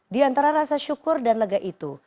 di antara rasa syukur dan lega itu